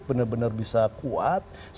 benar benar bisa kuat